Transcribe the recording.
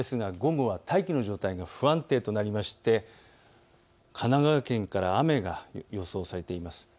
午後は大気の状態が不安定となりまして神奈川県から雨が予想されています。